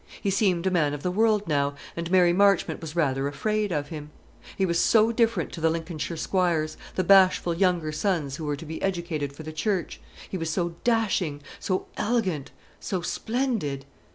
He seemed a man of the world now, and Mary Marchmont was rather afraid of him. He was so different to the Lincolnshire squires, the bashful younger sons who were to be educated for the Church: he was so dashing, so elegant, so splendid!